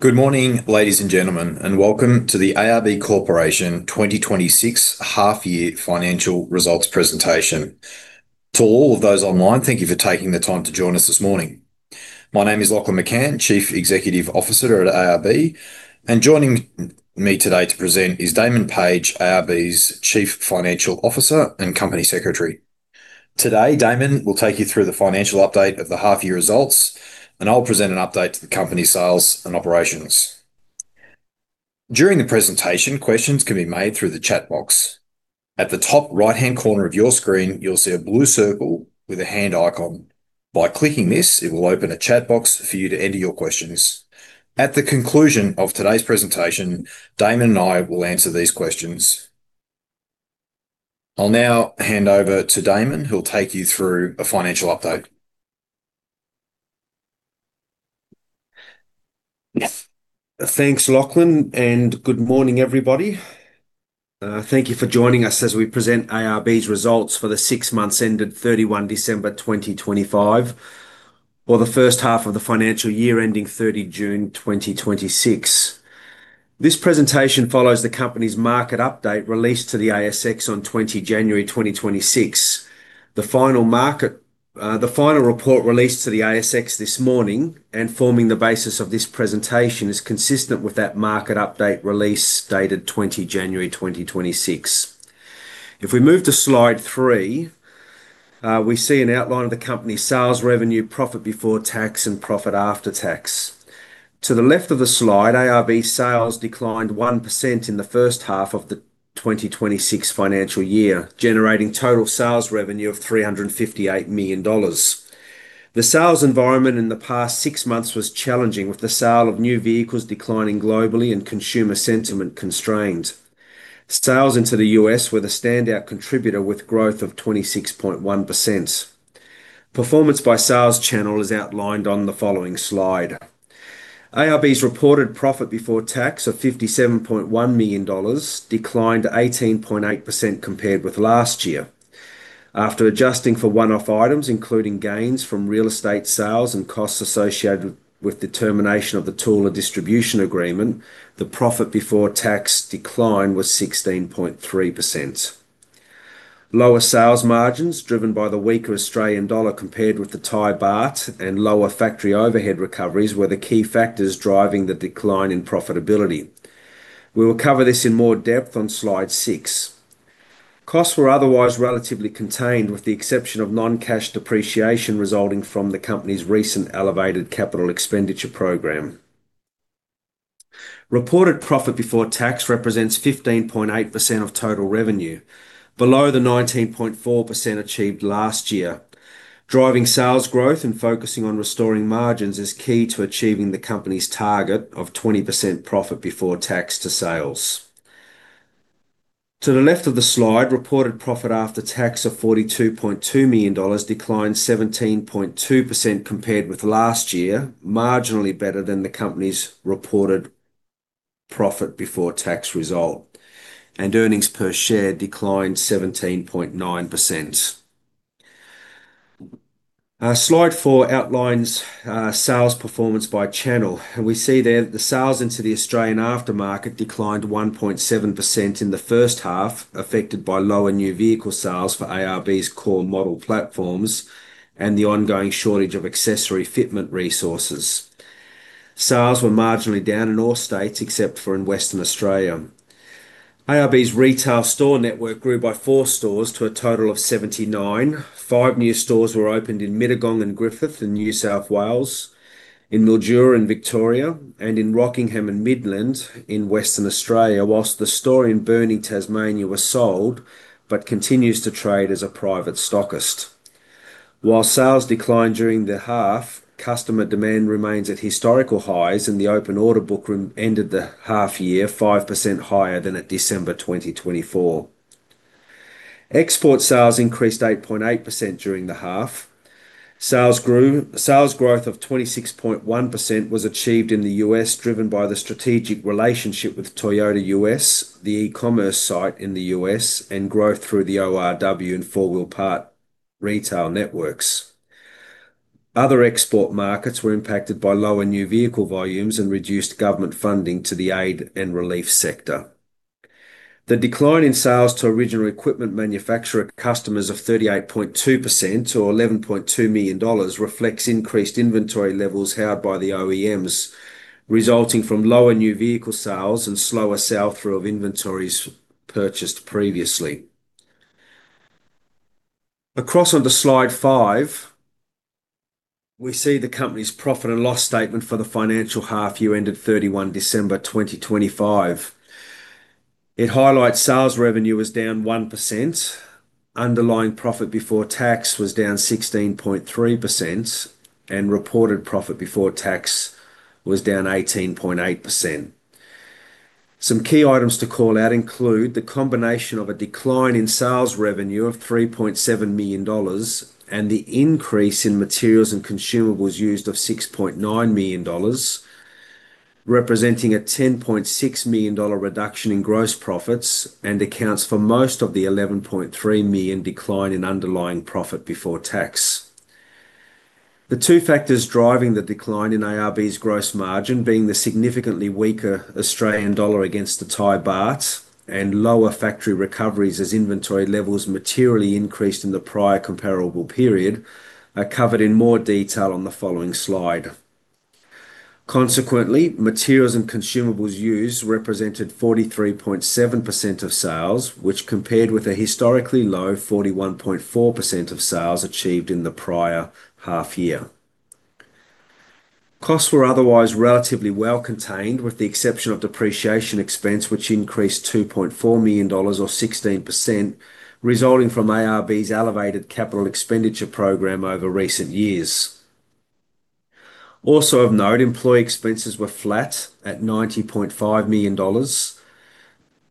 Good morning, ladies and gentlemen, welcome to the ARB Corporation 2026 half-year financial results presentation. To all of those online, thank you for taking the time to join us this morning. My name is Lachlan McCann, Chief Executive Officer at ARB, and joining me today to present is Damon Page, ARB's Chief Financial Officer and Company Secretary. Today, Damon will take you through the financial update of the half-year results, and I'll present an update to the company's sales and operations. During the presentation, questions can be made through the chat box. At the top right-hand corner of your screen, you'll see a blue circle with a hand icon. By clicking this, it will open a chat box for you to enter your questions. At the conclusion of today's presentation, Damon and I will answer these questions. I'll now hand over to Damon, who'll take you through a financial update. Thanks, Lachlan, good morning, everybody. Thank you for joining us as we present ARB's results for the 6 months ended 31 December, 2025, or the first half of the financial year ending 30 June, 2026. This presentation follows the company's market update released to the ASX on 20 January, 2026. The final report released to the ASX this morning and forming the basis of this presentation, is consistent with that market update release dated 20 January, 2026. If we move to Slide 3, we see an outline of the company's sales revenue, profit before tax, and profit after tax. To the left of the slide, ARB sales declined 1% in the first half of the 2026 financial year, generating total sales revenue of 358 million dollars. The sales environment in the past six months was challenging, with the sale of new vehicles declining globally and consumer sentiment constrained. Sales into the U.S. were the standout contributor, with growth of 26.1%. Performance by sales channel is outlined on the following slide. ARB's reported profit before tax of 57.1 million dollars declined to 18.8% compared with last year. After adjusting for one-off items, including gains from real estate sales and costs associated with the termination of the Thule distribution agreement, the profit before tax decline was 16.3%. Lower sales margins, driven by the weaker Australian dollar compared with the Thai baht and lower factory overhead recoveries, were the key factors driving the decline in profitability. We will cover this in more depth on Slide 6. Costs were otherwise relatively contained, with the exception of non-cash depreciation resulting from the company's recent elevated capital expenditure program. Reported profit before tax represents 15.8% of total revenue, below the 19.4% achieved last year. Driving sales growth and focusing on restoring margins is key to achieving the company's target of 20% profit before tax to sales. To the left of the slide, reported profit after tax of AUD 42.2 million declined 17.2% compared with last year, marginally better than the company's reported profit before tax result, and earnings per share declined 17.9%. Slide 4 outlines sales performance by channel. We see there that the sales into the Australian aftermarket declined 1.7% in the first half, affected by lower new vehicle sales for ARB's core model platforms and the ongoing shortage of accessory fitment resources. Sales were marginally down in all states, except for in Western Australia. ARB's retail store network grew by four stores to a total of 79. Five new stores were opened in Mittagong and Griffith in New South Wales, in Mildura in Victoria, and in Rockingham and Midland in Western Australia, whilst the store in Burnie, Tasmania, was sold, but continues to trade as a private stockist. Sales declined during the half, customer demand remains at historical highs, and the open order book ended the half year 5% higher than at December 2024. Export sales increased 8.8% during the half. Sales growth of 26.1% was achieved in the U.S., driven by the strategic relationship with Toyota US, the e-commerce site in the U.S., and growth through the ORW and 4 Wheel Parts retail networks. Other export markets were impacted by lower new vehicle volumes and reduced government funding to the aid and relief sector. The decline in sales to original equipment manufacturer customers of 38.2%, or AUD 11.2 million, reflects increased inventory levels held by the OEMs, resulting from lower new vehicle sales and slower sell-through of inventories purchased previously. Across on the Slide 5, we see the company's profit and loss statement for the financial half-year ended December 31, 2025. It highlights sales revenue was down 1%, underlying profit before tax was down 16.3%. Reported profit before tax was down 18.8%. Some key items to call out include the combination of a decline in sales revenue of AUD 3.7 million and the increase in materials and consumables used of AUD 6.9 million, representing an AUD 10.6 million reduction in gross profits and accounts for most of the AUD 11.3 million decline in underlying profit before tax. The two factors driving the decline in ARB's gross margin being the significantly weaker Australian dollar against the Thai baht and lower factory recoveries as inventory levels materially increased in the prior comparable period, are covered in more detail on the following slide. Consequently, materials and consumables used represented 43.7% of sales, which compared with a historically low 41.4% of sales achieved in the prior half year. Costs were otherwise relatively well contained, with the exception of depreciation expense, which increased 2.4 million dollars or 16%, resulting from ARB's elevated capital expenditure program over recent years. Also of note, employee expenses were flat at 90.5 million dollars.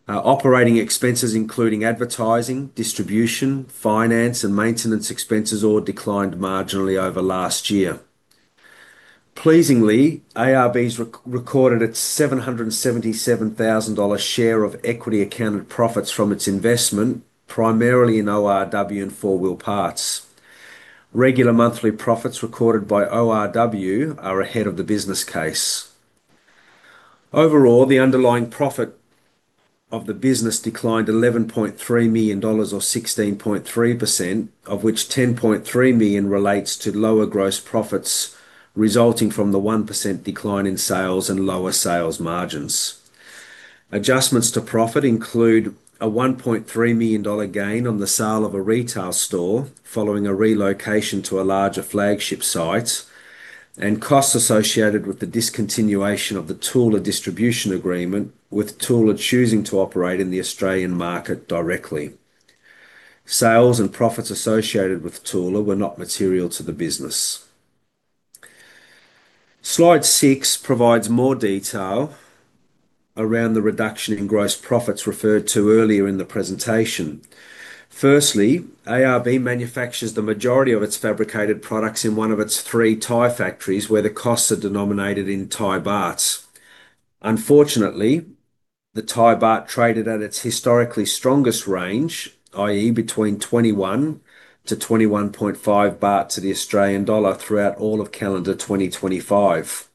Operating expenses, including advertising, distribution, finance, and maintenance expenses, all declined marginally over last year. Pleasingly, ARB recorded its 777,000 dollar share of equity accounted profits from its investment, primarily in ORW and 4 Wheel Parts. Regular monthly profits recorded by ORW are ahead of the business case. Overall, the underlying profit of the business declined 11.3 million dollars or 16.3%, of which 10.3 million relates to lower gross profits, resulting from the 1% decline in sales and lower sales margins. Adjustments to profit include a 1.3 million dollar gain on the sale of a retail store, following a relocation to a larger flagship site, and costs associated with the discontinuation of the Thule distribution agreement, with Thule choosing to operate in the Australian market directly. Sales and profits associated with Thule were not material to the business. Slide six provides more detail around the reduction in gross profits referred to earlier in the presentation. Firstly, ARB manufactures the majority of its fabricated products in one of its three Thai factories, where the costs are denominated in Thai bahts. Unfortunately, the Thai baht traded at its historically strongest range, i.e., between 21-21.5 baht to the Australian dollar throughout all of calendar 2025.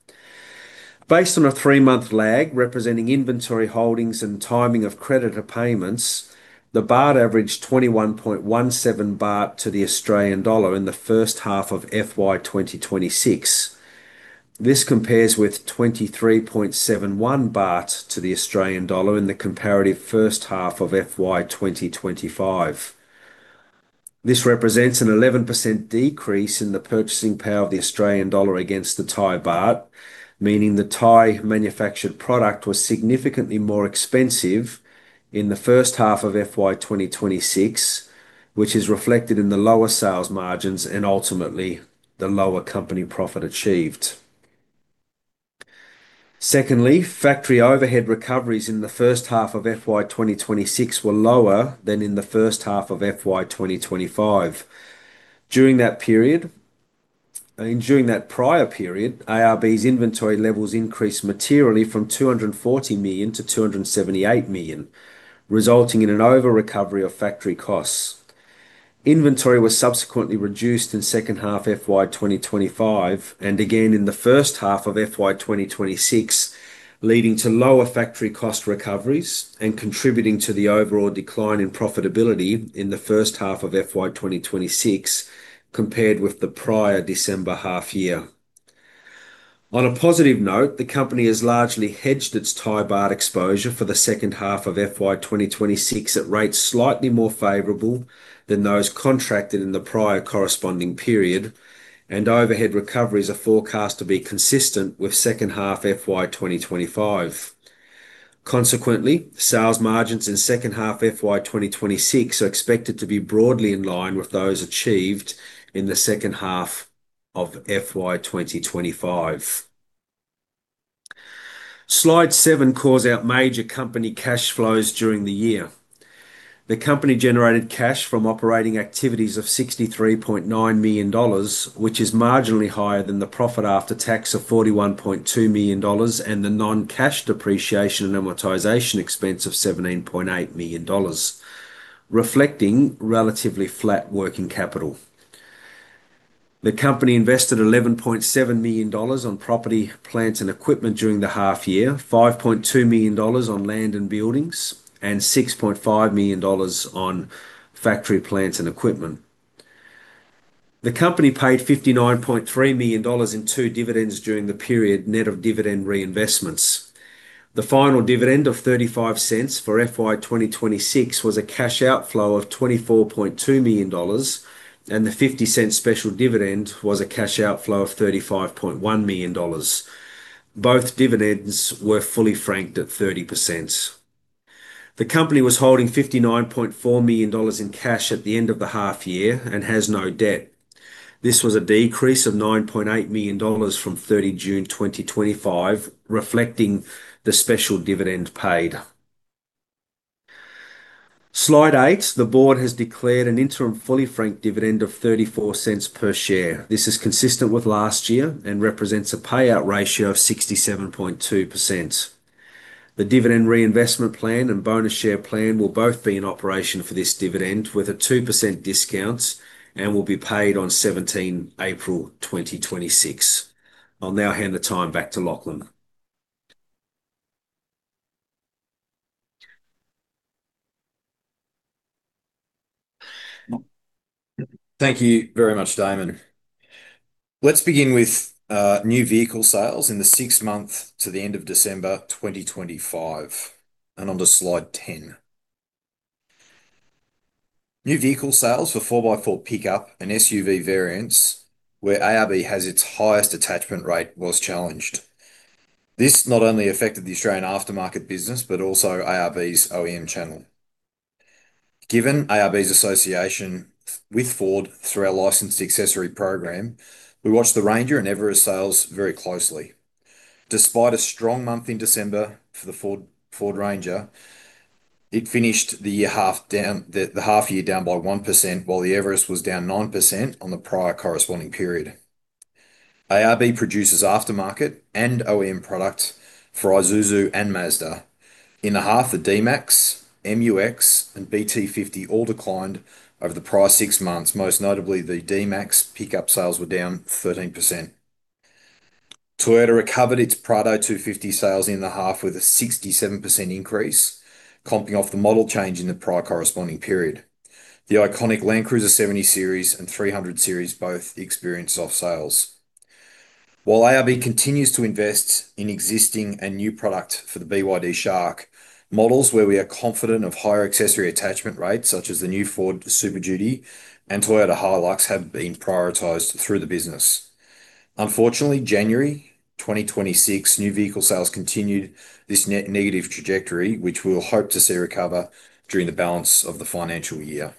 Based on a three-month lag representing inventory holdings and timing of creditor payments, the baht averaged 21.17 baht to the Australian dollar in the first half of FY 2026. This compares with 23.71 baht to the Australian dollar in the comparative first half of FY 2025. This represents an 11% decrease in the purchasing power of the Australian dollar against the Thai baht, meaning the Thai manufactured product was significantly more expensive in the first half of FY 2026, which is reflected in the lower sales margins and ultimately the lower company profit achieved. Secondly, factory overhead recoveries in the first half of FY 2026 were lower than in the first half of FY 2025. During that period, I mean, during that prior period, ARB's inventory levels increased materially from 240 million to 278 million, resulting in an over-recovery of factory costs. Inventory was subsequently reduced in second half FY 2025 and again in the first half of FY 2026, leading to lower factory cost recoveries and contributing to the overall decline in profitability in the first half of FY 2026, compared with the prior December half year. On a positive note, the company has largely hedged its Thai baht exposure for the second half of FY 2026 at rates slightly more favorable than those contracted in the prior corresponding period, and overhead recoveries are forecast to be consistent with second half FY 2025. Consequently, sales margins in second half FY 2026 are expected to be broadly in line with those achieved in the second half of FY 2025. Slide 7 calls out major company cash flows during the year. The company generated cash from operating activities of AUD 63.9 million, which is marginally higher than the profit after tax of AUD 41.2 million, and the non-cash depreciation and amortization expense of AUD 17.8 million, reflecting relatively flat working capital. The company invested AUD 11.7 million on property, plants, and equipment during the half year, AUD 5.2 million on land and buildings, and AUD 6.5 million on factory, plants, and equipment. The company paid AUD 59.3 million in 2 dividends during the period, net of dividend reinvestments. The final dividend of 0.35 for FY 2026 was a cash outflow of 24.2 million dollars, and the 0.50 special dividend was a cash outflow of 35.1 million dollars. Both dividends were fully franked at 30%. The company was holding 59.4 million dollars in cash at the end of the half year and has no debt. This was a decrease of 9.8 million dollars from 30 June 2025, reflecting the special dividend paid. Slide 8. The board has declared an interim fully franked dividend of 0.34 per share. This is consistent with last year and represents a payout ratio of 67.2%. The dividend reinvestment plan and bonus share plan will both be in operation for this dividend with a 2% discount, and will be paid on 17 April 2026. I'll now hand the time back to Lachlan. Thank you very much, Damon. Let's begin with new vehicle sales in the 6-month to the end of December 2025, and onto Slide 10. New vehicle sales for 4x4 pickup and SUV variants, where ARB has its highest attachment rate, was challenged. This not only affected the Australian aftermarket business, but also ARB's OEM channel. Given ARB's association with Ford through our licensed accessory program, we watched the Ranger and Everest sales very closely. Despite a strong month in December for the Ford, Ford Ranger, it finished the year half down-- the half year down by 1%, while the Everest was down 9% on the prior corresponding period. ARB produces aftermarket and OEM product for Isuzu and Mazda. In the half, the D-Max, MU-X, and BT-50 all declined over the prior six months, most notably the D-Max pickup sales were down 13%. Toyota recovered its Prado 250 sales in the half with a 67% increase, comping off the model change in the prior corresponding period. The iconic Land Cruiser 70 Series and 300 Series both experienced off sales. While ARB continues to invest in existing and new product for the BYD Shark, models where we are confident of higher accessory attachment rates, such as the new Ford Super Duty and Toyota Hilux, have been prioritized through the business. Unfortunately, January 2026, new vehicle sales continued this negative trajectory, which we'll hope to see recover during the balance of the financial year.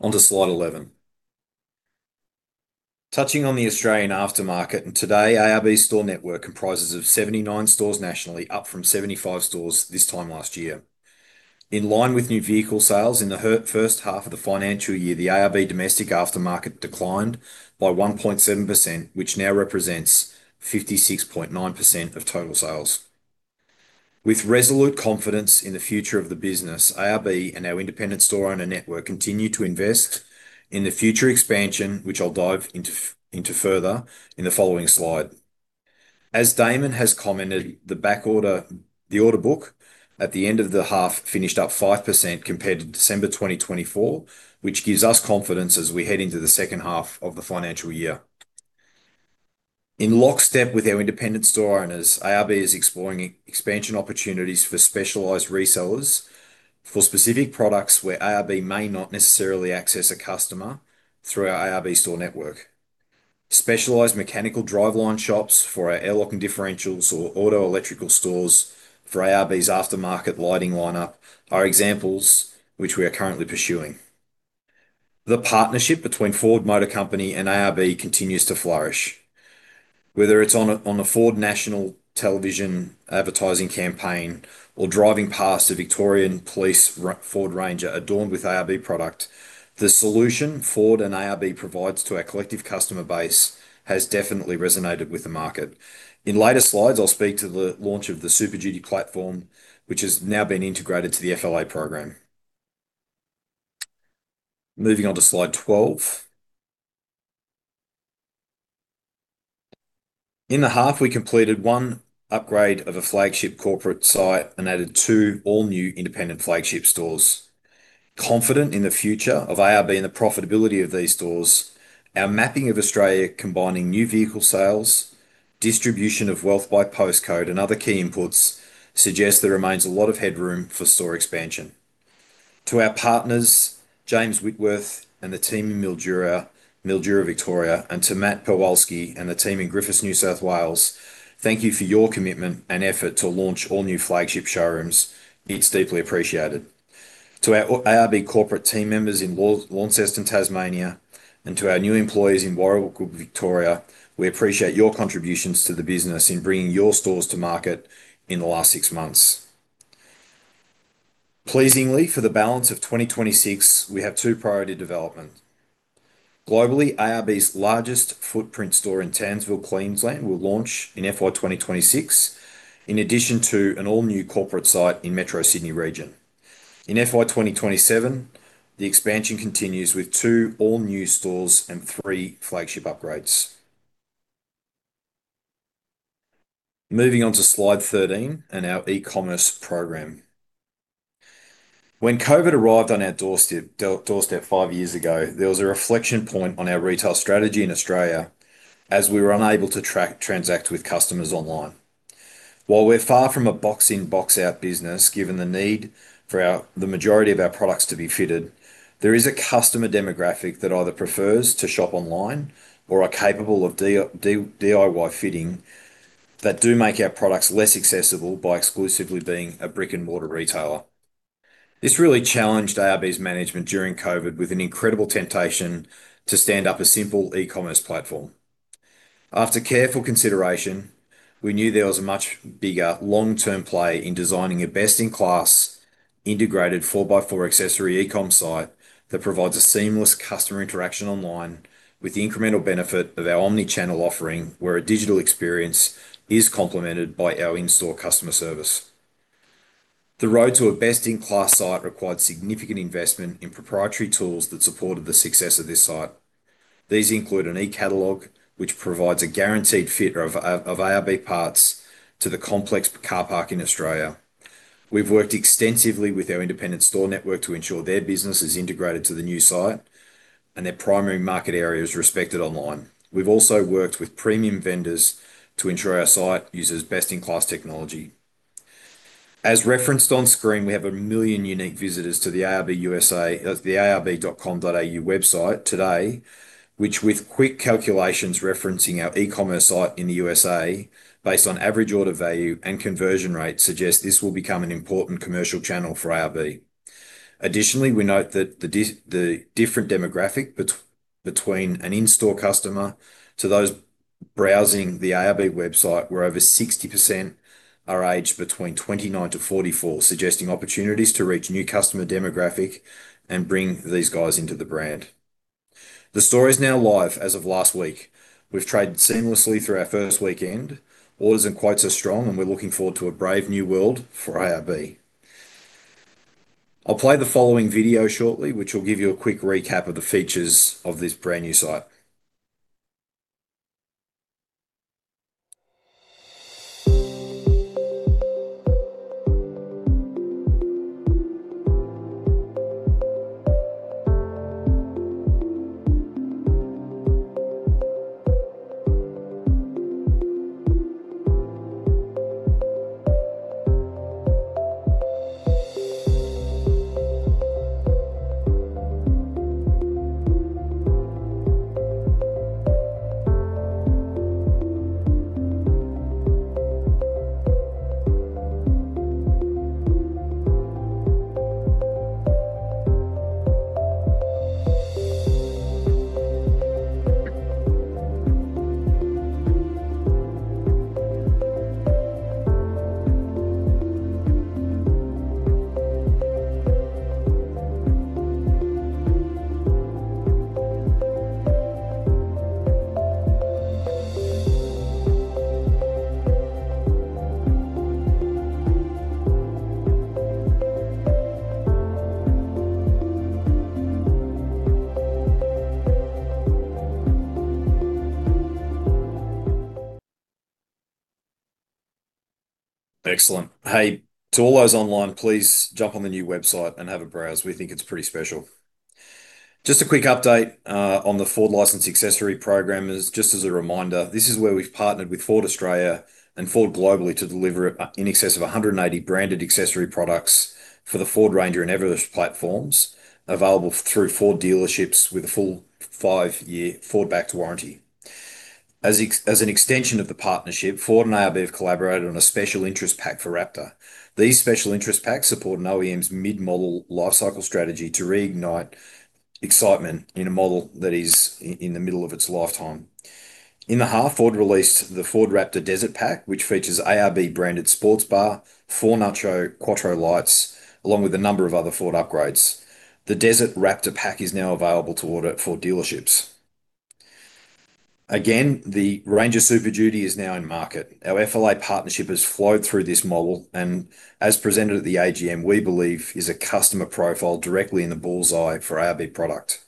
Onto Slide 11. Touching on the Australian aftermarket, today, ARB store network comprises of 79 stores nationally, up from 75 stores this time last year. In line with new vehicle sales, in the first half of the financial year, the ARB domestic aftermarket declined by 1.7%, which now represents 56.9% of total sales. With resolute confidence in the future of the business, ARB and our independent store owner network continue to invest in the future expansion, which I'll dive into further in the following slide. As Damon has commented, the back order, the order book at the end of the half finished up 5% compared to December 2024, which gives us confidence as we head into the second half of the financial year. In lockstep with our independent store owners, ARB is re-expansion opportunities for specialized resellers for specific products where ARB may not necessarily access a customer through our ARB store network. Specialized mechanical driveline shops for our air locking differentials or auto electrical stores for ARB's aftermarket lighting lineup are examples which we are currently pursuing. The partnership between Ford Motor Company and ARB continues to flourish. Whether it's on a Ford national television advertising campaign, or driving past a Victoria Police Ford Ranger adorned with ARB product, the solution Ford and ARB provides to our collective customer base has definitely resonated with the market. In later slides, I'll speak to the launch of the Super Duty platform, which has now been integrated to the FLA program. Moving on to Slide 12. In the half, we completed 1 upgrade of a flagship corporate site and added 2 all-new independent flagship stores. Confident in the future of ARB and the profitability of these stores, our mapping of Australia, combining new vehicle sales, distribution of wealth by postcode, and other key inputs, suggest there remains a lot of headroom for store expansion. To our partners, James Whitworth and the team in Mildura, Mildura, Victoria, and to Matt Pawlicki and the team in Griffith, New South Wales, thank you for your commitment and effort to launch all new flagship showrooms. It's deeply appreciated. To our ARB corporate team members in Launceston, Tasmania, and to our new employees in Warragul, Victoria, we appreciate your contributions to the business in bringing your stores to market in the last 6 months. Pleasingly, for the balance of 2026, we have 2 priority developments. Globally, ARB's largest footprint store in Townsville, Queensland, will launch in FY 2026, in addition to an all-new corporate site in Metro Sydney region. In FY 2027, the expansion continues with 2 all-new stores and 3 flagship upgrades. Moving on to Slide 13 and our e-commerce program. When COVID arrived on our doorstep 5 years ago, there was a reflection point on our retail strategy in Australia, as we were unable to transact with customers online. While we're far from a box in, box out business, given the need for the majority of our products to be fitted, there is a customer demographic that either prefers to shop online or are capable of DIY fitting, that do make our products less accessible by exclusively being a brick-and-mortar retailer. This really challenged ARB's management during COVID with an incredible temptation to stand up a simple e-commerce platform. After careful consideration, we knew there was a much bigger long-term play in designing a best-in-class, integrated 4x4 accessory e-com site that provides a seamless customer interaction online, with the incremental benefit of our omni-channel offering, where a digital experience is complemented by our in-store customer service. The road to a best-in-class site required significant investment in proprietary tools that supported the success of this site. These include an e-catalogue, which provides a guaranteed fit of ARB parts to the complex car park in Australia. We've worked extensively with our independent store network to ensure their business is integrated to the new site, and their primary market area is respected online. We've also worked with premium vendors to ensure our site uses best-in-class technology. As referenced on screen, we have 1 million unique visitors to the ARB USA, the arb.com.au website today, which, with quick calculations referencing our e-commerce site in the USA, based on average order value and conversion rate, suggests this will become an important commercial channel for ARB. Additionally, we note that the different demographic between an in-store customer to those browsing the ARB website, where over 60% are aged between 29 to 44, suggesting opportunities to reach new customer demographic and bring these guys into the brand. The store is now live as of last week. We've traded seamlessly through our first weekend. Orders and quotes are strong, and we're looking forward to a brave new world for ARB. I'll play the following video shortly, which will give you a quick recap of the features of this brand-new site. Excellent! Hey, to all those online, please jump on the new website and have a browse. We think it's pretty special. Just a quick update on the Ford Licensed Accessories Program. Just as a reminder, this is where we've partnered with Ford Australia and Ford globally to deliver in excess of 180 branded accessory products for the Ford Ranger and Everest platforms, available through Ford dealerships with a full 5-year Ford backed warranty. As an extension of the partnership, Ford and ARB have collaborated on a special interest pack for Raptor. These special interest packs support an OEM's mid-model life cycle strategy to reignite excitement in a model that is in the middle of its lifetime. In the half, Ford released the Ford Raptor Desert Pack, which features ARB branded sports bar, 4 Nacho quattro lights, along with a number of other Ford upgrades. The Desert Raptor Pack is now available to order at Ford dealerships. The Ranger Super Duty is now in market. Our FLA partnership has flowed through this model and, as presented at the AGM, we believe is a customer profile directly in the bullseye for ARB product.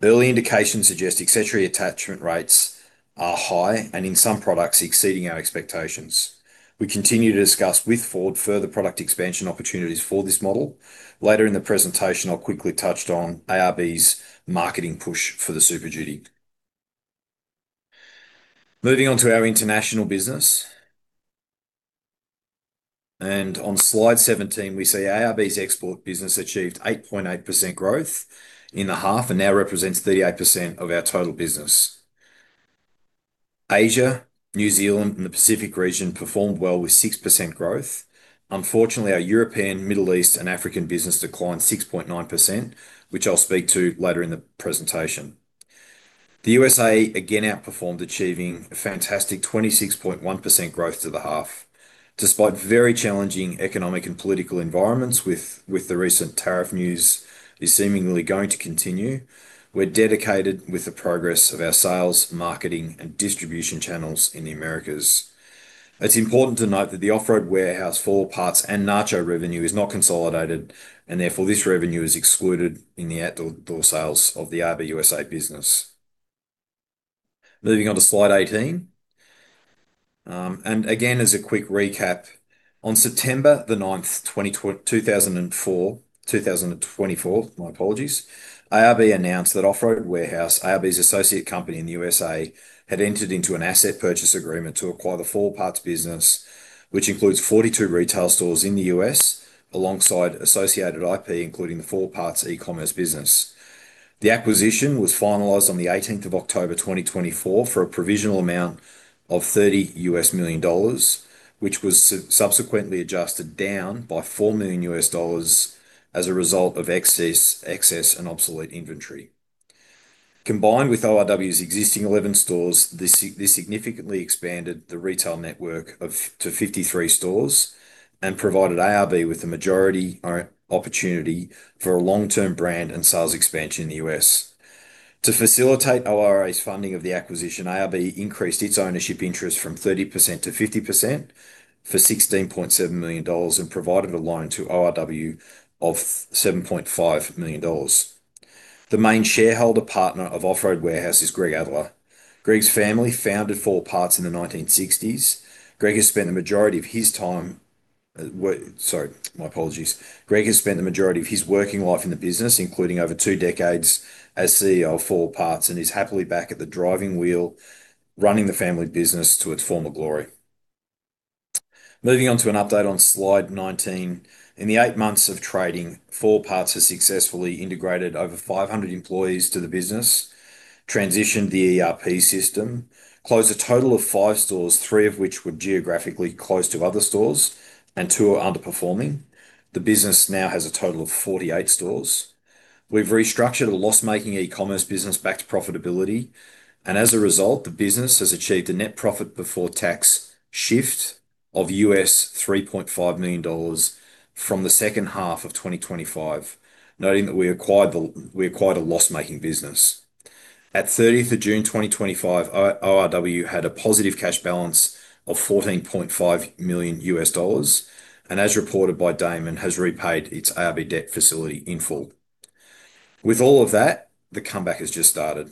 Early indications suggest accessory attachment rates are high and, in some products, exceeding our expectations. We continue to discuss with Ford further product expansion opportunities for this model. Later in the presentation, I'll quickly touch on ARB's marketing push for the Super Duty. Moving on to our international business. On slide 17, we see ARB's export business achieved 8.8% growth in the half and now represents 38% of our total business. Asia, New Zealand, and the Pacific region performed well with 6% growth. Unfortunately, our European, Middle East, and African business declined 6.9%, which I'll speak to later in the presentation. The USA again outperformed, achieving a fantastic 26.1% growth to the half. Despite very challenging economic and political environments, with the recent tariff news is seemingly going to continue, we're dedicated with the progress of our sales, marketing, and distribution channels in the Americas. It's important to note that the Off-Road Warehouse, 4 Wheel Parts, and Nacho revenue is not consolidated, and therefore this revenue is excluded in the outdoor door sales of the ARB USA business. Moving on to slide 18. Again, as a quick recap, on September 9th, 2024, my apologies, ARB announced that Off Road Warehouse, ARB's associate company in the USA, had entered into an asset purchase agreement to acquire the 4 Wheel Parts business, which includes 42 retail stores in the US, alongside associated IP, including the 4 Wheel Parts e-commerce business. The acquisition was finalized on October 18, 2024, for a provisional amount of $30 million, which was subsequently adjusted down by $4 million as a result of excess and obsolete inventory. Combined with ORW's existing 11 stores, this significantly expanded the retail network to 53 stores and provided ARB with the majority opportunity for a long-term brand and sales expansion in the U.S. To facilitate ORW's funding of the acquisition, ARB increased its ownership interest from 30% - 50% for 16.7 million dollars and provided a loan to ORW of 7.5 million dollars. The main shareholder partner of Off Road Warehouse is Greg Adler. Greg's family founded 4 Wheel Parts in the 1960s. Greg has spent the majority of his working life in the business, including over two decades as CEO of 4 Wheel Parts, and is happily back at the driving wheel, running the family business to its former glory. Moving on to an update on Slide 19. In the 8 months of trading, 4 Parts has successfully integrated over 500 employees to the business, transitioned the ERP system, closed a total of 5 stores, 3 of which were geographically close to other stores and 2 were underperforming. The business now has a total of 48 stores. We've restructured a loss-making e-commerce business back to profitability, and as a result, the business has achieved a net profit before tax shift of $3.5 million from the second half of 2025, noting that we acquired a loss-making business. At 30th of June 2025, ORW had a positive cash balance of $14.5 million, and as reported by Damon, has repaid its ARB debt facility in full. With all of that, the comeback has just started.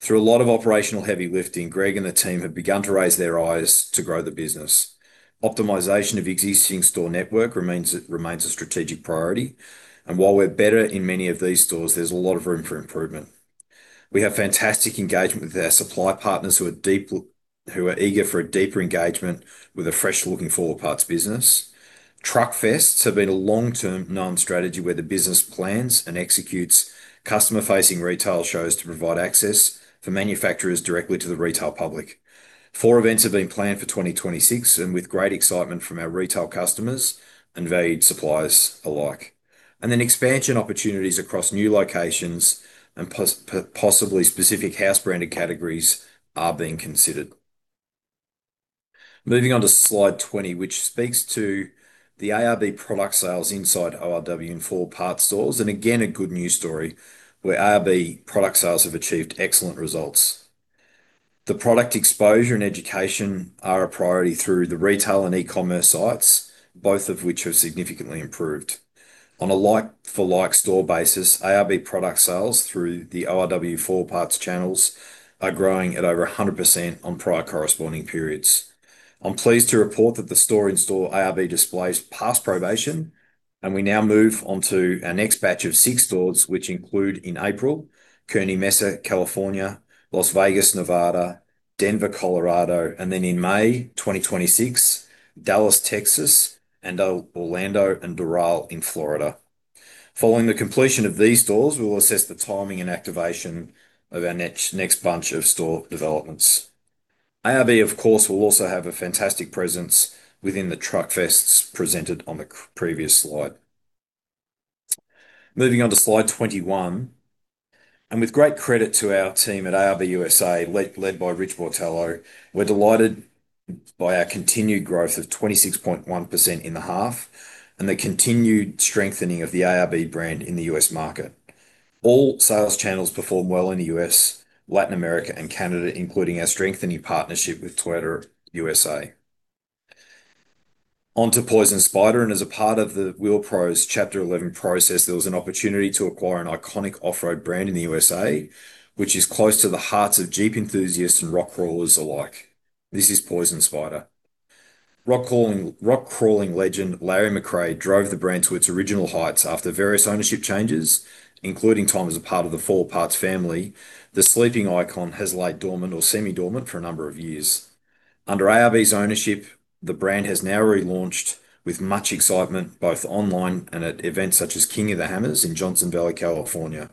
Through a lot of operational heavy lifting, Greg and the team have begun to raise their eyes to grow the business. Optimization of existing store network remains a strategic priority, and while we're better in many of these stores, there's a lot of room for improvement. We have fantastic engagement with our supply partners, who are eager for a deeper engagement with a fresh-looking 4 Parts business. Truck Fests have been a long-term known strategy where the business plans and executes customer-facing retail shows to provide access for manufacturers directly to the retail public. Four events have been planned for 2026, with great excitement from our retail customers and valued suppliers alike. Expansion opportunities across new locations and possibly specific house branded categories are being considered. Moving on to slide 20, which speaks to the ARB product sales inside ORW and 4 Wheel Parts stores. Again, a good news story, where ARB product sales have achieved excellent results. The product exposure and education are a priority through the retail and e-commerce sites, both of which have significantly improved. On a like-for-like store basis, ARB product sales through the ORW 4 Wheel Parts channels are growing at over 100% on prior corresponding periods. I'm pleased to report that the store in-store ARB displays passed probation. We now move on to our next batch of 6 stores, which include, in April, Kearny Mesa, California, Las Vegas, Nevada, Denver, Colorado. Then in May 2026, Dallas, Texas, and Orlando and Doral in Florida. Following the completion of these stores, we will assess the timing and activation of our next bunch of store developments. ARB, of course, will also have a fantastic presence within the Truck Fests presented on the previous slide. Moving on to slide 21. With great credit to our team at ARB USA, led by Rich Borlase, we're delighted by our continued growth of 26.1% in the half and the continued strengthening of the ARB brand in the U.S. market. All sales channels performed well in the U.S., Latin America, and Canada, including our strengthening partnership with Toyota USA. On to Poison Spyder. As a part of the Wheel Pros Chapter 11 process, there was an opportunity to acquire an iconic off-road brand in the USA, which is close to the hearts of Jeep enthusiasts and rock crawlers alike. This is Poison Spyder. Rock crawling, rock crawling legend, Larry McRae, drove the brand to its original heights after various ownership changes, including time as a part of the 4 Wheel Parts family. The sleeping icon has laid dormant or semi-dormant for a number of years. Under ARB's ownership, the brand has now relaunched with much excitement, both online and at events such as King of the Hammers in Johnson Valley, California.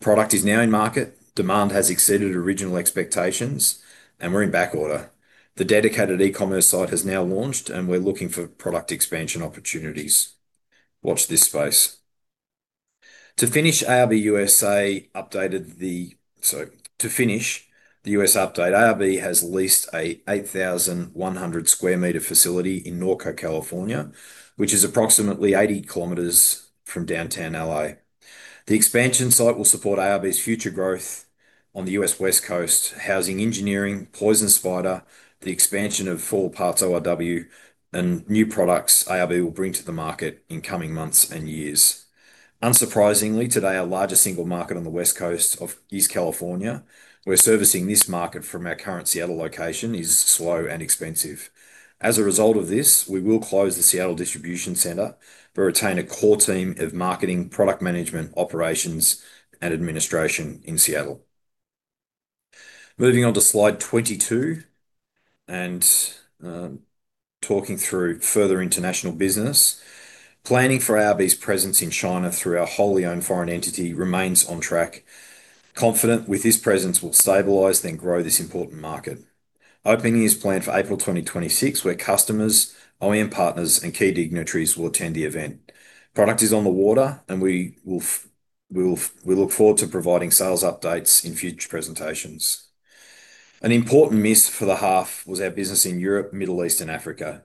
Product is now in market, demand has exceeded original expectations, we're in backorder. The dedicated e-commerce site has now launched, we're looking for product expansion opportunities. Watch this space. To finish, the U.S. update, ARB has leased a 8,100 square meter facility in Norco, California, which is approximately 80 kilometers from downtown L.A. The expansion site will support ARB's future growth on the U.S. West Coast, housing engineering, Poison Spyder, the expansion of 4 Wheel Parts ORW, and new products ARB will bring to the market in coming months and years. Unsurprisingly, today, our largest single market on the West Coast of Eastern California, we're servicing this market from our current Seattle location, is slow and expensive. As a result of this, we will close the Seattle distribution center, but retain a core team of marketing, product management, operations, and administration in Seattle. Moving on to slide 22, talking through further international business. Planning for ARB's presence in China through our Wholly Foreign-Owned Enterprise remains on track. Confident with this presence, we'll stabilize then grow this important market. Opening is planned for April 2026, where customers, OEM partners, and key dignitaries will attend the event. Product is on the water. We will, we look forward to providing sales updates in future presentations. An important miss for the half was our business in Europe, Middle East, and Africa.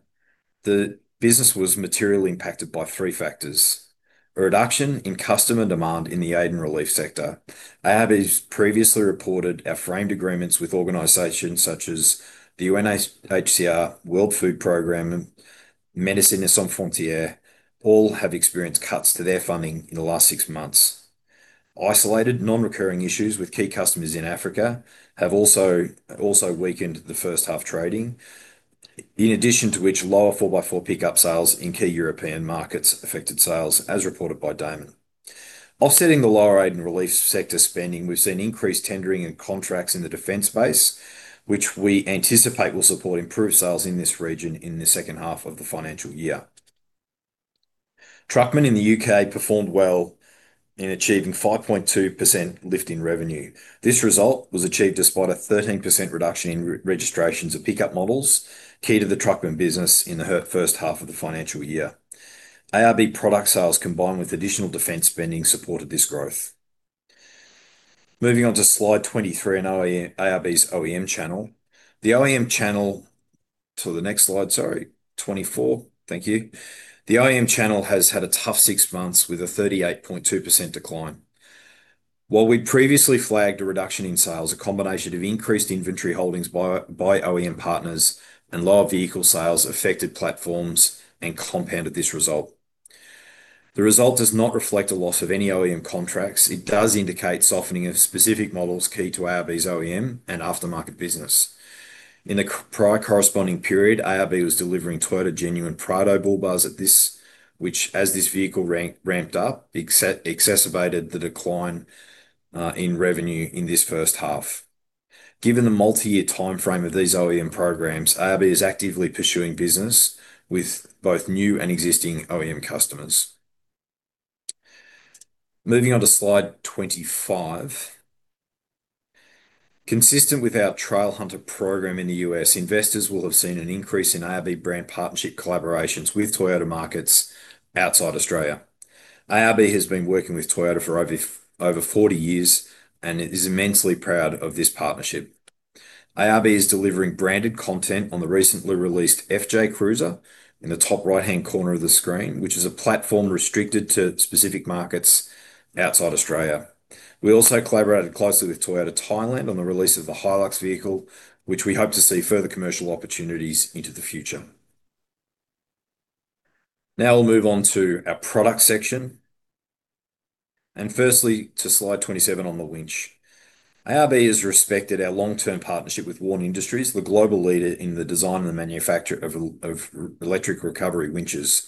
The business was materially impacted by three factors: A reduction in customer demand in the aid and relief sector. ARB has previously reported our frame agreements with organizations such as the UNHCR, World Food Programme, Médecins Sans Frontières, all have experienced cuts to their funding in the last six months. Isolated non-recurring issues with key customers in Africa have also weakened the first half trading. In addition to which, lower 4x4 pickup sales in key European markets affected sales, as reported by Damon. Offsetting the lower aid and relief sector spending, we've seen increased tendering and contracts in the defense space, which we anticipate will support improved sales in this region in the second half of the financial year. Truckman in the U.K. performed well in achieving a 5.2% lift in revenue. This result was achieved despite a 13% reduction in re-registrations of pickup models, key to the Truckman business in the first half of the financial year. ARB product sales, combined with additional defense spending, supported this growth. Moving on to slide 23 and ARB's OEM channel. To the next slide, sorry, 24. Thank you. The OEM channel has had a tough six months, with a 38.2% decline. We'd previously flagged a reduction in sales, a combination of increased inventory holdings by OEM partners and lower vehicle sales affected platforms and compounded this result. The result does not reflect a loss of any OEM contracts. It does indicate softening of specific models key to ARB's OEM and aftermarket business. In the prior corresponding period, ARB was delivering Toyota genuine Prado bull bars at this, which, as this vehicle ramped up, exacerbated the decline in revenue in this first half. Given the multi-year time frame of these OEM programs, ARB is actively pursuing business with both new and existing OEM customers. Moving on to slide 25. Consistent with our Trailhunter program in the U.S., investors will have seen an increase in ARB brand partnership collaborations with Toyota markets outside Australia. ARB has been working with Toyota for over 40 years, and it is immensely proud of this partnership. ARB is delivering branded content on the recently released FJ Cruiser in the top right-hand corner of the screen, which is a platform restricted to specific markets outside Australia. We also collaborated closely with Toyota Thailand on the release of the Hilux vehicle, which we hope to see further commercial opportunities into the future. We'll move on to our product section, firstly, to slide 27 on the winch. ARB has respected our long-term partnership with Warn Industries, the global leader in the design and manufacture of electric recovery winches.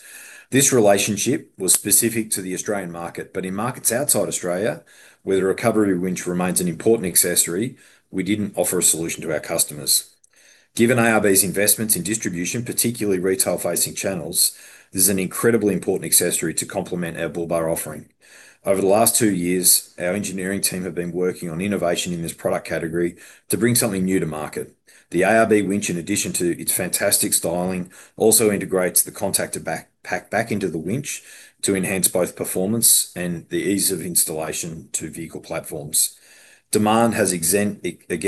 This relationship was specific to the Australian market, but in markets outside Australia, where the recovery winch remains an important accessory, we didn't offer a solution to our customers. Given ARB's investments in distribution, particularly retail-facing channels, this is an incredibly important accessory to complement our bull bar offering. Over the last two years, our engineering team have been working on innovation in this product category to bring something new to market. The ARB winch, in addition to its fantastic styling, also integrates the contactor pack back into the winch to enhance both performance and the ease of installation to vehicle platforms. Demand has again,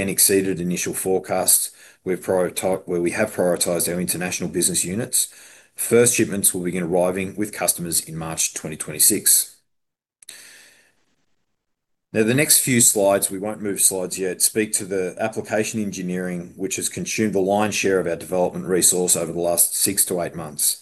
exceeded initial forecasts, where we have prioritized our international business units. First shipments will begin arriving with customers in March 2026. The next few slides, we won't move slides yet, speak to the application engineering, which has consumed the lion's share of our development resource over the last 6-8 months.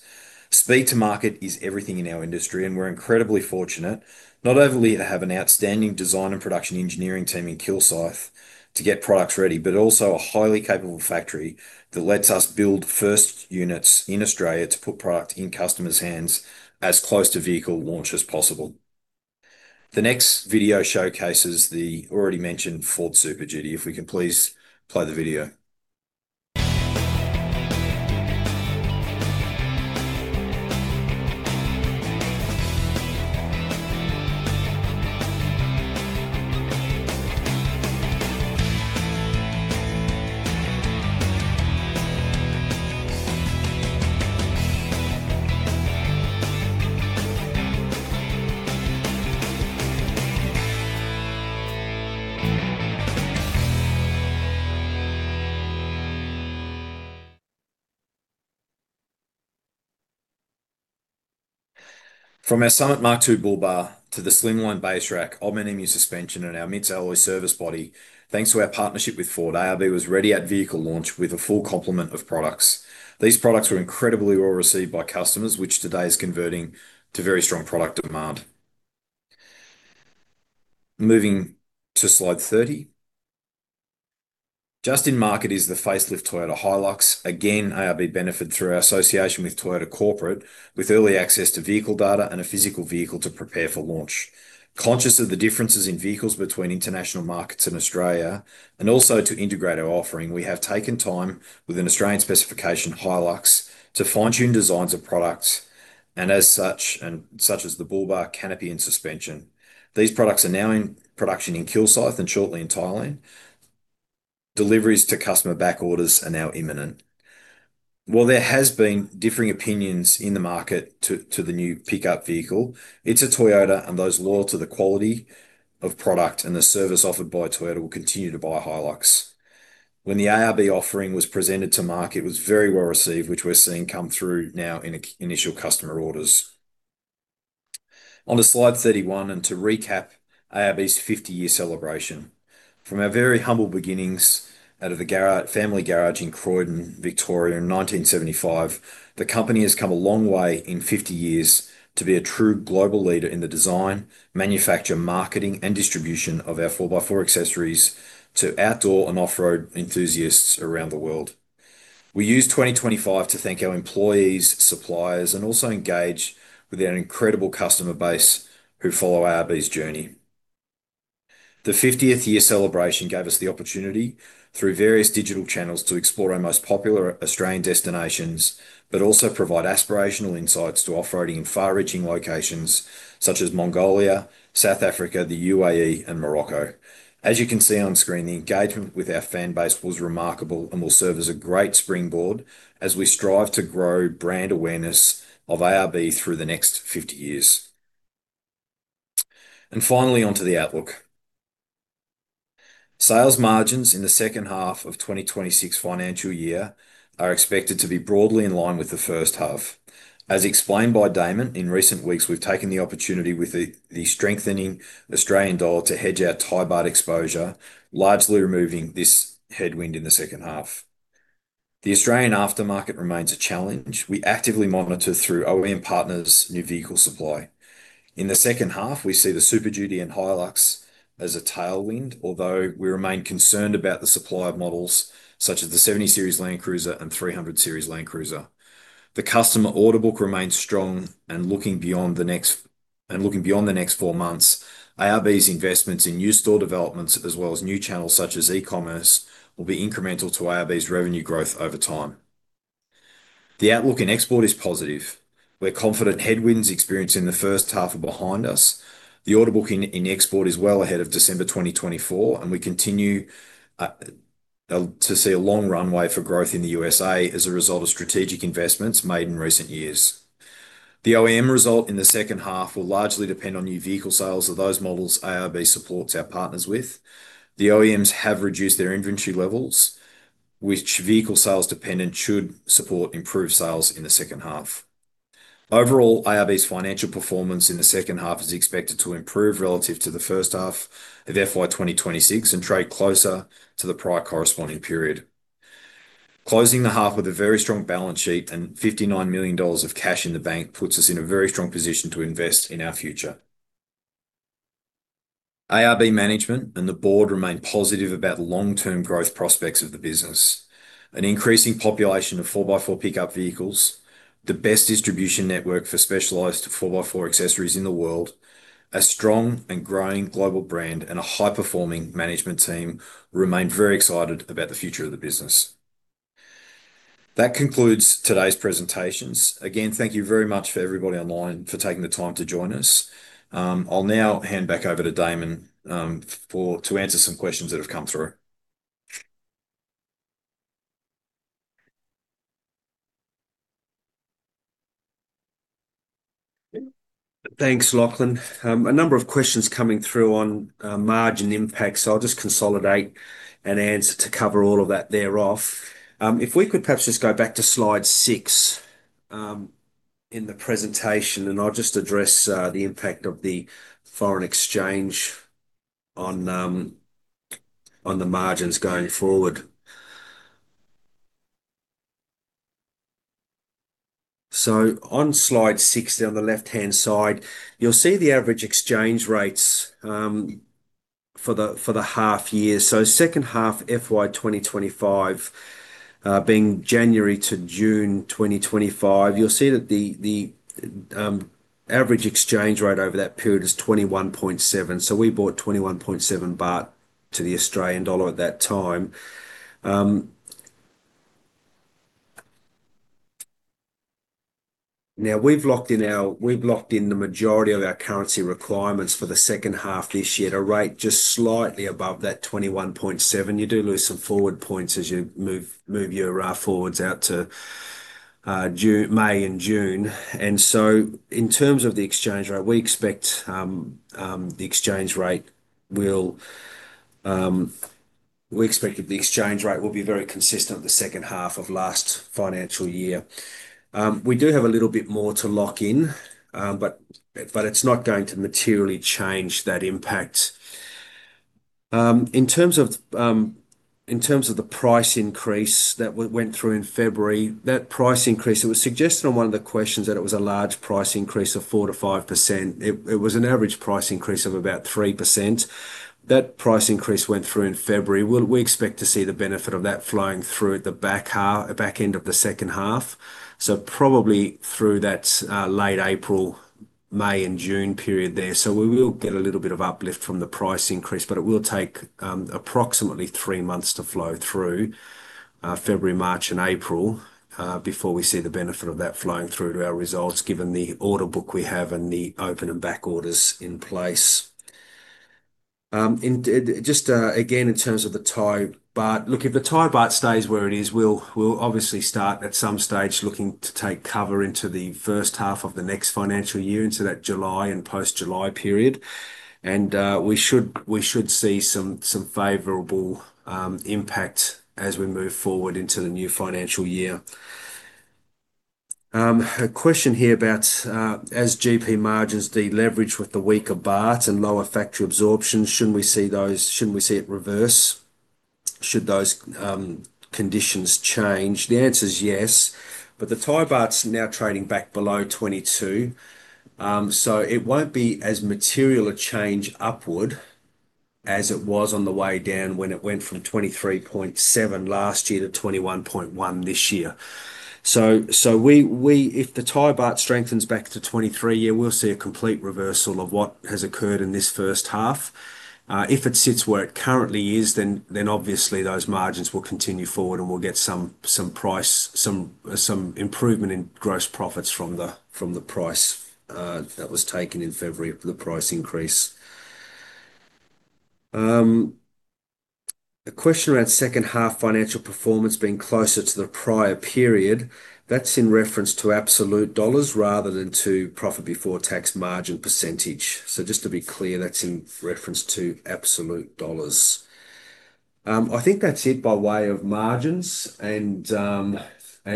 Speed to market is everything in our industry. We're incredibly fortunate not only to have an outstanding design and production engineering team in Kilsyth to get products ready, but also a highly capable factory that lets us build first units in Australia to put product in customers' hands as close to vehicle launch as possible. The next video showcases the already mentioned Ford Super Duty. If we can please play the video. From our Summit MKII bull bar to the Slimline Base Rack, Old Man Emu suspension, and our MITS Alloy service body, thanks to our partnership with Ford, ARB was ready at vehicle launch with a full complement of products. These products were incredibly well received by customers, which today is converting to very strong product demand. Moving to slide 30. Just in market is the facelift Toyota Hilux. ARB benefited through our association with Toyota Corporate, with early access to vehicle data and a physical vehicle to prepare for launch. Conscious of the differences in vehicles between international markets and Australia, and also to integrate our offering, we have taken time with an Australian specification Hilux to fine-tune designs of products, such as the bull bar, canopy, and suspension. These products are now in production in Kilsyth and shortly in Thailand. Deliveries to customer back orders are now imminent. While there has been differing opinions in the market to the new pickup vehicle, it's a Toyota, and those loyal to the quality of product and the service offered by Toyota will continue to buy Hilux. When the ARB offering was presented to market, it was very well received, which we're seeing come through now in initial customer orders. Onto slide 31, to recap ARB's 50-year celebration. From our very humble beginnings out of a family garage in Croydon, Victoria, in 1975, the company has come a long way in 50 years to be a true global leader in the design, manufacture, marketing, and distribution of our 4x4 accessories to outdoor and off-road enthusiasts around the world. We used 2025 to thank our employees, suppliers, and also engage with our incredible customer base who follow ARB's journey. The 50th-year celebration gave us the opportunity, through various digital channels, to explore our most popular Australian destinations, but also provide aspirational insights to off-roading in far-reaching locations such as Mongolia, South Africa, the UAE, and Morocco. As you can see on screen, the engagement with our fan base was remarkable and will serve as a great springboard as we strive to grow brand awareness of ARB through the next 50 years. Finally, onto the outlook. Sales margins in the second half of 2026 financial year are expected to be broadly in line with the first half. As explained by Damon, in recent weeks, we've taken the opportunity with the strengthening Australian dollar to hedge our Thai baht exposure, largely removing this headwind in the second half. The Australian aftermarket remains a challenge. We actively monitor through OEM partners' new vehicle supply. In the second half, we see the Super Duty and Hilux as a tailwind, although we remain concerned about the supply of models such as the 70 Series Land Cruiser and 300 Series Land Cruiser. The customer order book remains strong, and looking beyond the next 4 months, ARB's investments in new store developments, as well as new channels such as e-commerce, will be incremental to ARB's revenue growth over time. The outlook in export is positive. We're confident headwinds experienced in the first half are behind us. The order booking in export is well ahead of December 2024, and we continue to see a long runway for growth in the USA as a result of strategic investments made in recent years. The OEM result in the second half will largely depend on new vehicle sales of those models ARB supports our partners with. The OEMs have reduced their inventory levels, which vehicle sales dependent should support improved sales in the second half. Overall, ARB's financial performance in the second half is expected to improve relative to the first half of FY 2026 and trade closer to the prior corresponding period. Closing the half with a very strong balance sheet and 59 million dollars of cash in the bank puts us in a very strong position to invest in our future. ARB management and the board remain positive about the long-term growth prospects of the business. An increasing population of four by four pickup vehicles, the best distribution network for specialized four by four accessories in the world, a strong and growing global brand, and a high-performing management team remain very excited about the future of the business. That concludes today's presentations. Thank you very much for everybody online for taking the time to join us. I'll now hand back over to Damon, to answer some questions that have come through. Thanks, Lachlan. A number of questions coming through on margin impact, I'll just consolidate and answer to cover all of that thereof. If we could perhaps just go back to slide 6 in the presentation, I'll just address the impact of the foreign exchange on the margins going forward. On slide 6, on the left-hand side, you'll see the average exchange rates for the half year. Second half, FY 2025, being January to June 2025, you'll see that the average exchange rate over that period is 21.7. We bought 21.7 baht to the Australian dollar at that time. Now we've locked in our... We've locked in the majority of our currency requirements for the second half this year at a rate just slightly above that 21.7. You do lose some forward points as you move, move your forwards out to June, May, and June. In terms of the exchange rate, we expect that the exchange rate will be very consistent with the second half of last financial year. We do have a little bit more to lock in, but it's not going to materially change that impact. In terms of the price increase that we went through in February, that price increase, it was suggested on one of the questions that it was a large price increase of 4%-5%. It was an average price increase of about 3%. That price increase went through in February. We expect to see the benefit of that flowing through at the back end of the second half, so probably through that late April, May, and June period there. We will get a little bit of uplift from the price increase, but it will take approximately 3 months to flow through February, March, and April before we see the benefit of that flowing through to our results, given the order book we have and the open and back orders in place. Just, again, in terms of the Thai baht, look, if the Thai baht stays where it is, we'll, we'll obviously start at some stage looking to take cover into the first half of the next financial year, into that July and post-July period, and we should, we should see some, some favorable impact as we move forward into the new financial year. A question here about, as GP margins deleverage with the weaker baht and lower factory absorption, shouldn't we see those-- shouldn't we see it reverse should those conditions change? The answer is yes, but the Thai baht's now trading back below 22 baht. So it won't be as material a change upward as it was on the way down when it went from 23.7 baht last year to 21.1 baht this year. we, if the Thai baht strengthens back to 23, yeah, we'll see a complete reversal of what has occurred in this first half. If it sits where it currently is, then, obviously, those margins will continue forward, and we'll get some, some price, some, some improvement in gross profits from the, from the price that was taken in February, the price increase. The question around second half financial performance being closer to the prior period, that's in reference to absolute AUD rather than to profit before tax margin %. Just to be clear, that's in reference to absolute AUD. I think that's it by way of margins and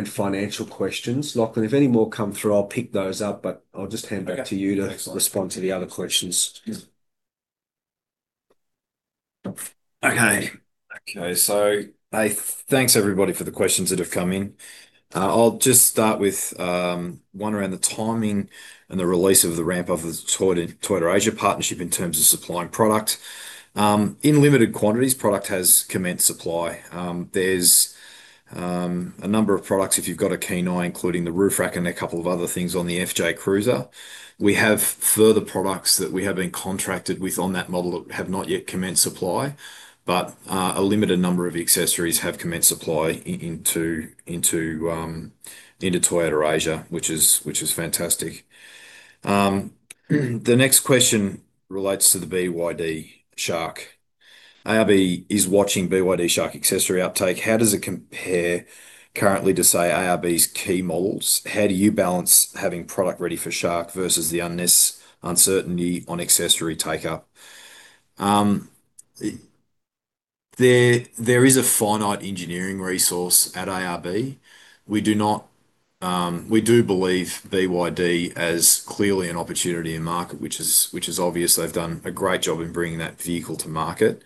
financial questions. Lachlan, if any more come through, I'll pick those up, but I'll just hand back to you. Okay. Thanks, Lachlan. -to respond to the other questions. Yeah. Okay. Okay, thanks, everybody, for the questions that have come in. I'll just start with one around the timing and the release of the ramp of the Toyota, Toyota Asia partnership in terms of supplying product. In limited quantities, product has commenced supply. There's a number of products, if you've got a keen eye, including the roof rack and a couple of other things on the FJ Cruiser. We have further products that we have been contracted with on that model that have not yet commenced supply, but a limited number of accessories have commenced supply into Toyota Asia, which is fantastic. The next question relates to the BYD Shark. ARB is watching BYD Shark accessory uptake. How does it compare currently to, say, ARB's key models? How do you balance having product ready for Shark versus the uncertainty on accessory take-up? There is a finite engineering resource at ARB. We do believe BYD as clearly an opportunity in market, which is, which is obvious. They've done a great job in bringing that vehicle to market.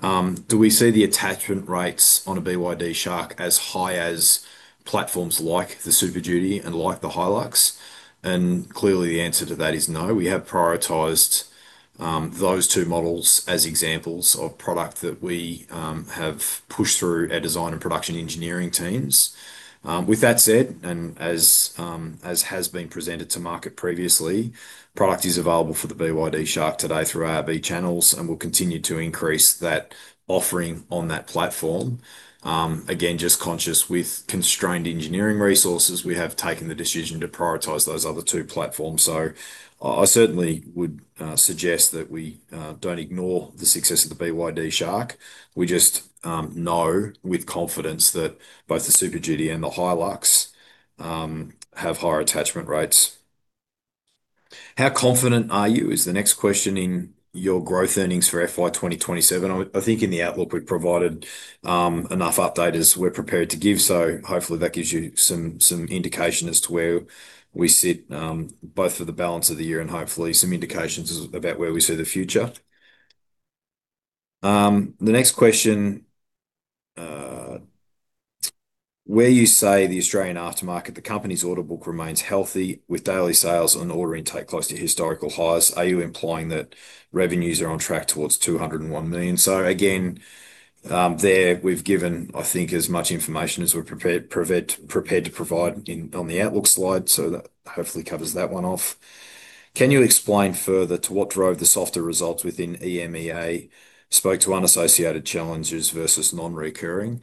Do we see the attachment rates on a BYD Shark as high as platforms like the Super Duty and like the Hilux? Clearly, the answer to that is no. We have prioritized those two models as examples of product that we have pushed through our design and production engineering teams. With that said, and as has been presented to market previously, product is available for the BYD Shark today through ARB channels, and we'll continue to increase that offering on that platform. Again, conscious with constrained engineering resources, we have taken the decision to prioritize those other two platforms. I, I certainly would suggest that we don't ignore the success of the BYD Shark. We know with confidence that both the Super Duty and the Hilux have higher attachment rates. How confident are you, is the next question, in your growth earnings for FY 2027? I, I think in the outlook, we've provided enough update as we're prepared to give, so hopefully that gives you some, some indication as to where we sit, both for the balance of the year and hopefully some indications as, about where we see the future. The next question, where you say the Australian aftermarket, the company's order book remains healthy, with daily sales and order intake close to historical highs, are you implying that revenues are on track towards 201 million? Again, there we've given, I think, as much information as we're prepared to provide in, on the outlook slide, so that hopefully covers that one off. Can you explain further to what drove the softer results within EMEA? Spoke to unassociated challenges versus non-recurring.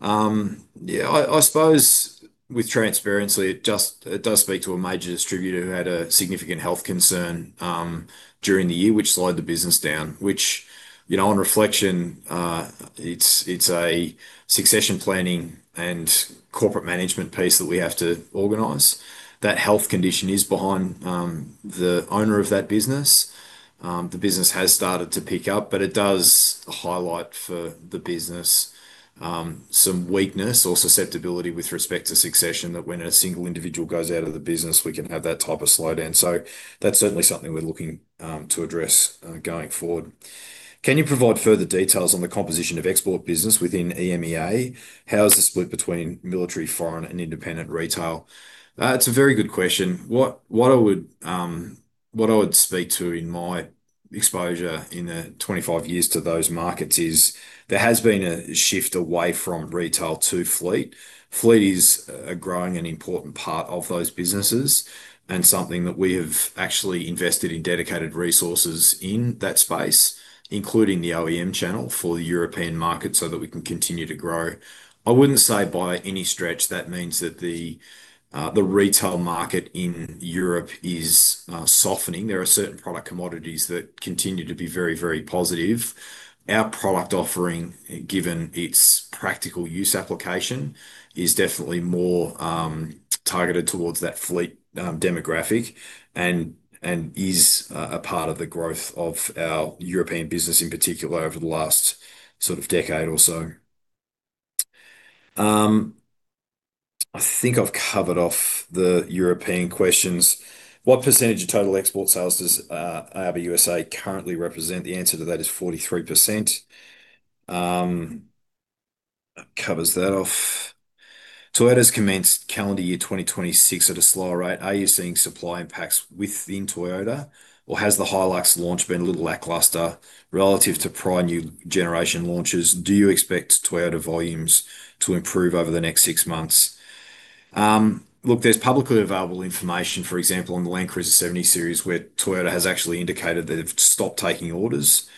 Yeah, I, I suppose with transparency, it just, it does speak to a major distributor who had a significant health concern during the year, which slowed the business down. Which, you know, on reflection, it's, it's a succession planning and corporate management piece that we have to organize. That health condition is behind the owner of that business. The business has started to pick up, but it does highlight for the business some weakness or susceptibility with respect to succession, that when a single individual goes out of the business, we can have that type of slowdown. That's certainly something we're looking to address going forward. Can you provide further details on the composition of export business within EMEA? How is the split between military, foreign, and independent retail? It's a very good question. What I would speak to in my exposure in the 25 years to those markets is there has been a shift away from retail to fleet. Fleet is a growing and important part of those businesses and something that we have actually invested in dedicated resources in that space, including the OEM channel for the European market, so that we can continue to grow. I wouldn't say by any stretch that means that the retail market in Europe is softening. There are certain product commodities that continue to be very, very positive. Our product offering, given its practical use application, is definitely more targeted towards that fleet demographic and is a part of the growth of our European business, in particular, over the last sort of decade or so. I think I've covered off the European questions. What percentage of total export sales does ARB USA currently represent? The answer to that is 43%. That covers that off. Toyota's commenced calendar year 2026 at a slower rate. Are you seeing supply impacts within Toyota, or has the Hilux launch been a little lackluster relative to prior new generation launches? Do you expect Toyota volumes to improve over the next six months? Look, there's publicly available information, for example, on the Land Cruiser 70 Series, where Toyota has actually indicated that they've stopped taking orders.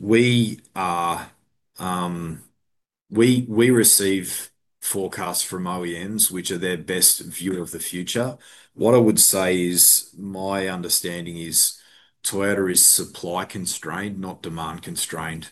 We receive forecasts from OEMs, which are their best view of the future. What I would say is, my understanding is Toyota is supply constrained, not demand constrained.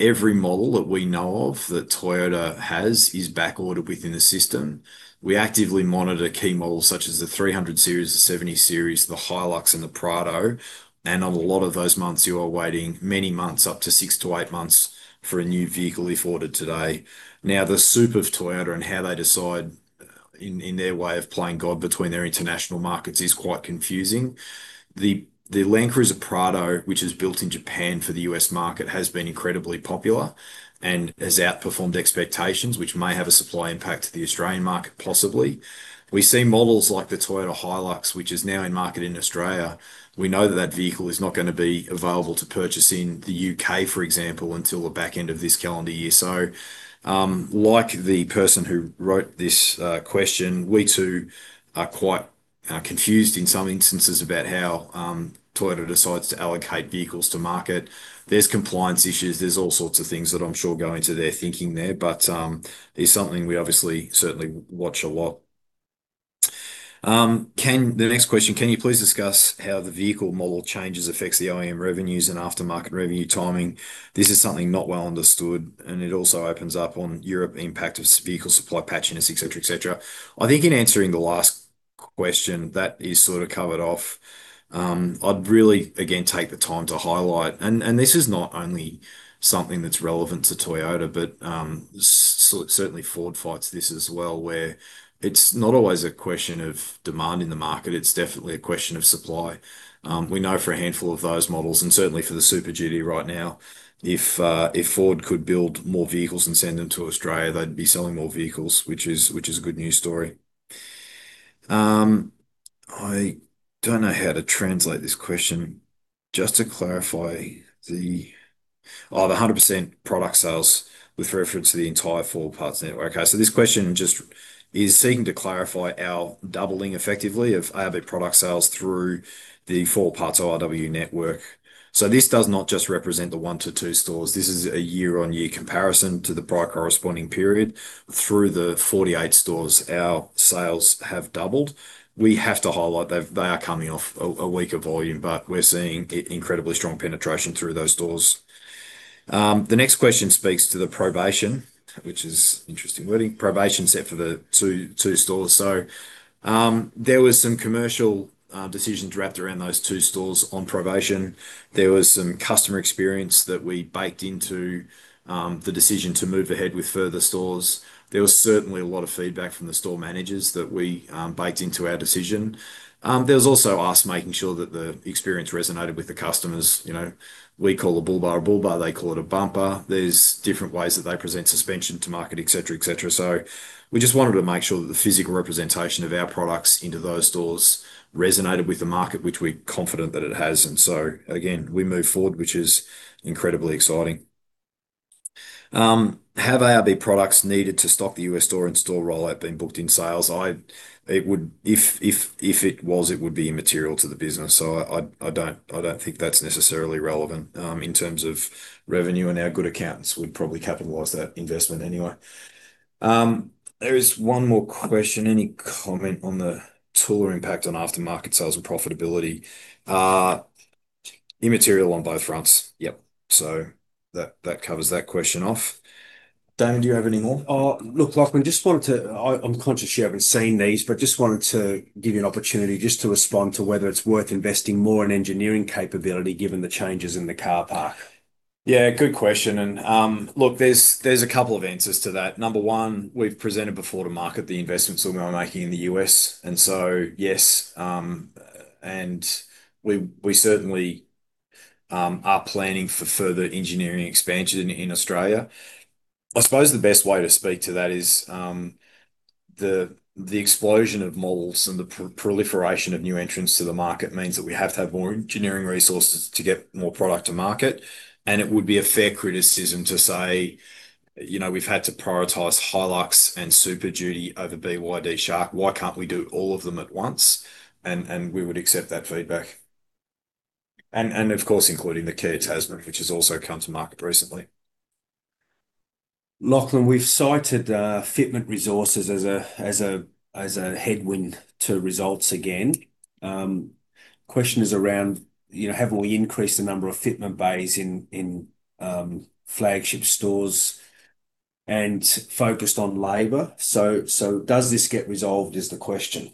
Every model that we know of that Toyota has is back ordered within the system. We actively monitor key models such as the 300 Series, the 70 Series, the Toyota Hilux, and the Land Cruiser Prado, and on a lot of those months, you are waiting many months, up to 6-8 months, for a new vehicle if ordered today. Now, the soup of Toyota and how they decide in, in their way of playing God between their international markets is quite confusing. The Land Cruiser Prado, which is built in Japan for the U.S. market, has been incredibly popular and has outperformed expectations, which may have a supply impact to the Australian market, possibly. We see models like the Toyota Hilux, which is now in market in Australia. We know that that vehicle is not going to be available to purchase in the U.K., for example, until the back end of this calendar year. Like the person who wrote this question, we too are quite confused in some instances about how Toyota decides to allocate vehicles to market. There's compliance issues, there's all sorts of things that I'm sure go into their thinking there, but it's something we obviously certainly watch a lot. The next question: "Can you please discuss how the vehicle model changes affects the OEM revenues and aftermarket revenue timing? This is something not well understood, and it also opens up on Europe impact of vehicle supply patchiness, et cetera, et cetera." I think in answering the last question, that is sort of covered off. I'd really, again, take the time to highlight, this is not only something that's relevant to Toyota, but certainly Ford fights this as well, where it's not always a question of demand in the market, it's definitely a question of supply. We know for a handful of those models, and certainly for the Super Duty right now, if Ford could build more vehicles and send them to Australia, they'd be selling more vehicles, which is, which is a good news story. I don't know how to translate this question. "Just to clarify, the... Oh, the 100% product sales with reference to the entire 4 Wheel Parts network." This question just is seeking to clarify our doubling, effectively, of ARB product sales through the 4 Wheel Parts ORW network. This does not just represent the 1-2 stores. This is a year-on-year comparison to the prior corresponding period. Through the 48 stores, our sales have doubled. We have to highlight that they are coming off a weaker volume, but we're seeing incredibly strong penetration through those stores. The next question speaks to the probation, which is interesting wording, probation set for the 2, 2 stores. There was some commercial decisions wrapped around those 2 stores on probation. There was some customer experience that we baked into the decision to move ahead with further stores. There was certainly a lot of feedback from the store managers that we baked into our decision. There was also us making sure that the experience resonated with the customers. You know, we call a bullbar a bullbar, they call it a bumper. There's different ways that they present suspension to market, et cetera, et cetera. We just wanted to make sure that the physical representation of our products into those stores resonated with the market, which we're confident that it has, again, we move forward, which is incredibly exciting. "Have ARB products needed to stock the U.S. store and store rollout been booked in sales?" If it was, it would be immaterial to the business, so I don't think that's necessarily relevant in terms of revenue, and our good accountants would probably capitalize that investment anyway. There is one more question: "Any comment on the tool or impact on aftermarket sales and profitability?" Immaterial on both fronts. Yep, that covers that question off. Damon, do you have any more? Look, Lachlan, I'm conscious you haven't seen these, but just wanted to give you an opportunity just to respond to whether it's worth investing more in engineering capability, given the changes in the car park. Good question. Look, there's, there's a couple of answers to that. Number one, we've presented before to market the investments that we are making in the US, and so, yes, and we, we certainly are planning for further engineering expansion in Australia. I suppose the best way to speak to that is the, the explosion of models and the pr- proliferation of new entrants to the market means that we have to have more engineering resources to get more product to market. It would be a fair criticism to say, you know, we've had to prioritize Hilux and Super Duty over BYD Shark. Why can't we do all of them at once? And of course, including the Kia Tasman, which has also come to market recently. Lachlan, we've cited fitment resources as a headwind to results again. Question is around, you know, have we increased the number of fitment bays in flagship stores and focused on labor? Does this get resolved, is the question.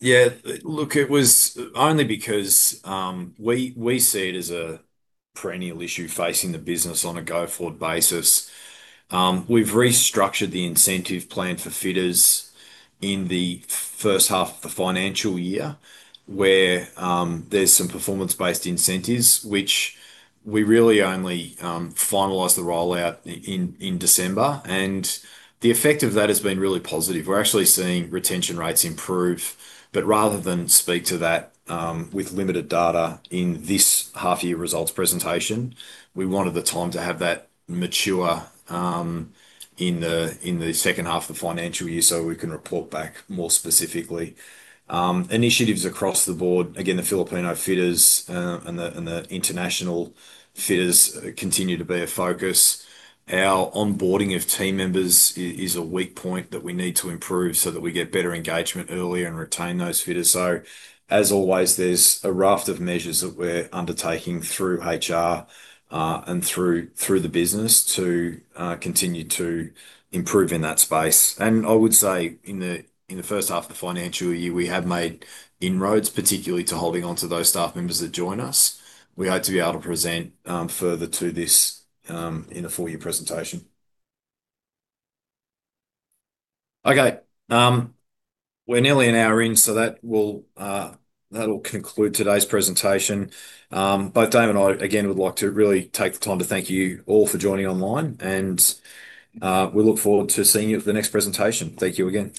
Yeah, look, it was only because we, we see it as a perennial issue facing the business on a go-forward basis. We've restructured the incentive plan for fitters in the first half of the financial year, where there's some performance-based incentives, which we really only finalized the rollout in, in December. The effect of that has been really positive. We're actually seeing retention rates improve. Rather than speak to that, with limited data in this half year results presentation, we wanted the time to have that mature in the second half of the financial year, so we can report back more specifically. Initiatives across the board, again, the Filipino fitters and the international fitters continue to be a focus. Our onboarding of team members is a weak point that we need to improve so that we get better engagement earlier and retain those fitters. As always, there's a raft of measures that we're undertaking through HR, and through the business to continue to improve in that space. I would say in the, in the first half of the financial year, we have made inroads, particularly to holding on to those staff members that join us. We hope to be able to present further to this in the full year presentation. Okay, we're nearly 1 hour in, that will that'll conclude today's presentation. Both Damon and I, again, would like to really take the time to thank you all for joining online, and we look forward to seeing you at the next presentation. Thank you again.